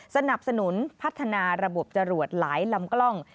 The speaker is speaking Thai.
สนับสนุนพัฒนาระบบจรวดหลายลำกล้อง